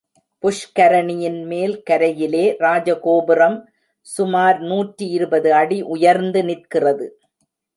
புஷ்கரணியின் மேல் கரையிலே ராஜகோபுரம் சுமார் நூற்றி இருபது அடி உயர்ந்து நிற்கிறது.